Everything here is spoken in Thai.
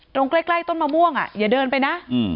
ตรงใกล้ต้นมะม่วงอย่าเดินไปนะ